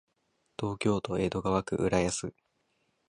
東京都江戸川区浦安